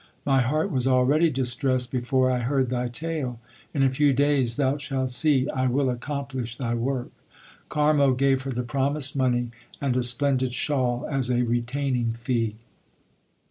My heart was already distressed before I heard thy tale. In a few days thou shalt see I will accomplish thy work/ Karmo gave her the promised money and a splendid shawl as a retaining fee.